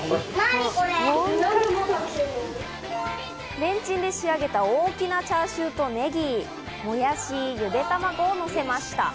レンチンで仕上げた大きなチャーシューとネギ、もやし、ゆで卵をのせました。